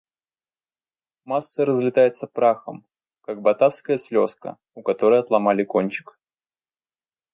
Масса разлетается прахом, как батавская слезка, у которой отломали кончик.